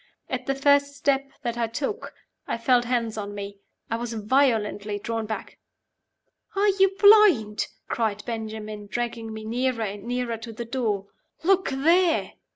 At the first step that I took, I felt hands on me I was violently drawn back. "Are you blind?" cried Benjamin, dragging me nearer and nearer to the door. "Look there!"